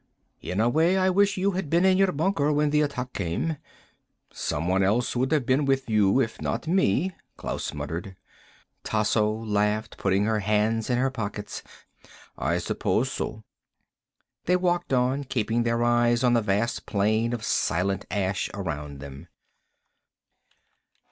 "In a way I wish you had been in your bunker when the attack came." "Somebody else would have been with you, if not me," Klaus muttered. Tasso laughed, putting her hands in her pockets. "I suppose so." They walked on, keeping their eyes on the vast plain of silent ash around them.